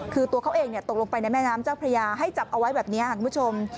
คือตัวเขาเองตกลงไปในแม่น้ำเจ้าพระยาให้จับเอาไว้แบบนี้ค่ะคุณผู้ชม